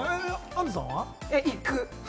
行く！